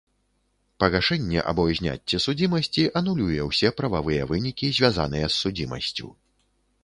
Пагашэнне або зняцце судзімасці анулюе ўсе прававыя вынікі, звязаныя з судзімасцю.